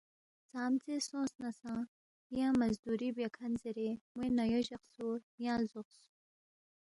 ژامژے سونگس نہ سہ ینگ مزدُوری بیاکھن زیرے مو نَیوے جقسپو ینگ لزوقس